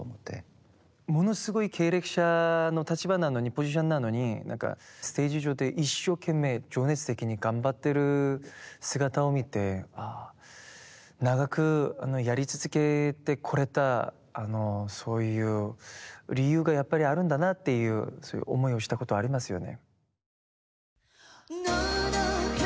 ものすごい経歴者の立場なのにポジションなのにステージ上で一生懸命情熱的に頑張ってる姿を見てああ長くやり続けてこれたそういう理由がやっぱりあるんだなっていう思いをしたことありますよね。